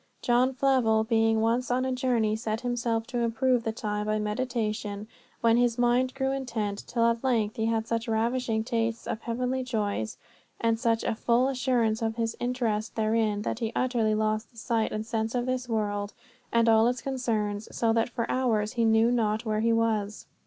John Flavel being once on a journey set himself to improve the time by meditation, when his mind grew intent, till at length he had such ravishing tastes of heavenly joys, and such a full assurance of his interest therein, that he utterly lost the sight and sense of this world and all its concerns, so that for hours he knew not where he was.